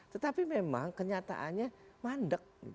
tetapi memang kenyataannya mandek